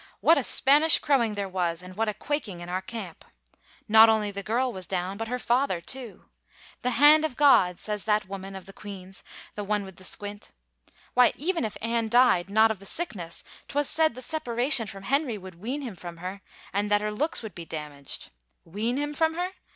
what a Spanish crowing there was, and what a quaking in our camp! 12 153 THE FAVOR OF KINGS Not only the girl was down, but her father, too. The hand of God, says that woman of the queen's, the one with the squint. Why, even if Anne died not of the sickness, 'twas said the separation from Henry would wean him from her, and that her looks would be damaged. Wean him from her?